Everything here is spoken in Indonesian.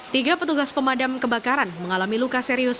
tiga petugas pemadam kebakaran mengalami luka serius